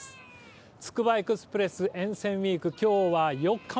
つくばエクスプレス沿線ウイーク、きょうは４日目。